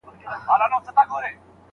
د عملي ټولنپوهنې هدف د مسایلو حلول دي.